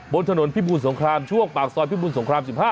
บนถนนพิบูรสงครามช่วงปากซอยพิบูรสงคราม๑๕